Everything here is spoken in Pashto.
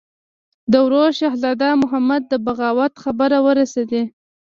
د ورور شهزاده محمود د بغاوت خبر ورسېدی.